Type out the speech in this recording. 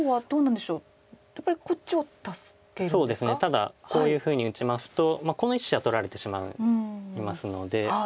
ただこういうふうに打ちますとこの１子は取られてしまいますので。